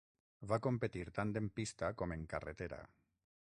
Va competir tant en pista com en carretera.